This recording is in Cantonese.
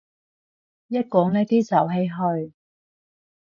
一講呢啲就唏噓